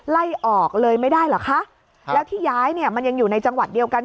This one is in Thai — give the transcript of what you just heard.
ไล่ออกเลยไม่ได้เหรอคะแล้วที่ย้ายเนี่ยมันยังอยู่ในจังหวัดเดียวกัน